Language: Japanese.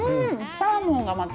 サーモンがまた。